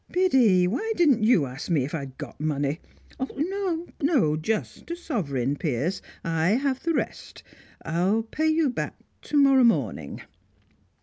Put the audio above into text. Biddy, why didn't you ask me if I'd got money? No, no; just a sovereign, Piers; I have the rest. I'll pay you back to morrow morning."